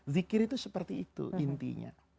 zikir itu seperti itu intinya